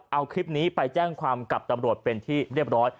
เอาคลิปนี้ไปแจ้งความกับตำรวจเป็นที่เรียบร้อย